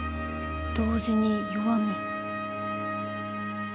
同時に弱み。